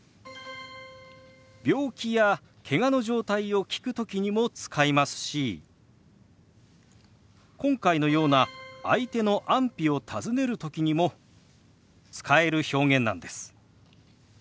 病気やけがの状態を聞く時にも使いますし今回のような相手の安否を尋ねる時にも使える表現なんです。